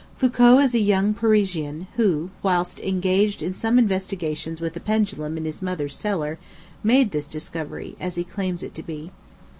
Foucault is a young Parisian, who, whilst engaged in some investigations with a pendulum in his mother's cellar, made this discovery, as he claims it to be.